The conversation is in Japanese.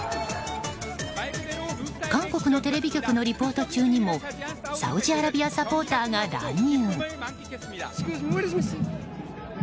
韓国のテレビ局のリポート中にもサウジアラビアサポーターが乱入。